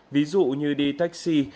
ví dụ như đi taxi